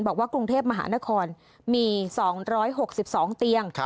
กรุงเทพมหานครมี๒๖๒เตียง